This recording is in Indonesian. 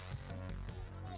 jangan lupa untuk berlangganan